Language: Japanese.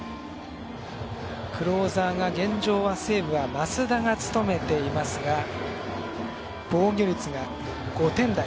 クローザーが現状は西武は増田が務めていますが防御率が５点台。